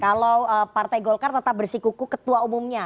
kalau partai golkar tetap bersikuku ketua umumnya